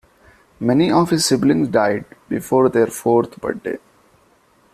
Many of his siblings died before their fourth birthday.